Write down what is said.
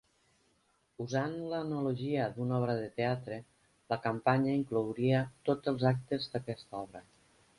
Usant l'analogia d'una obra de teatre, la campanya inclouria tots els actes d'aquesta obra.